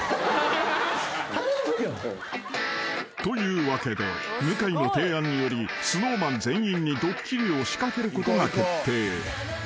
［というわけで向井の提案によりＳｎｏｗＭａｎ全員にドッキリを仕掛けることが決定］